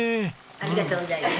ありがとうございます。